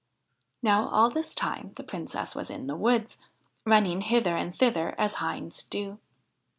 Now all this time the Princess was in the wood, running hither and thither as hinds do.